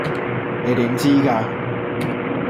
你點知架?